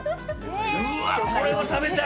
うわ、これは食べたい。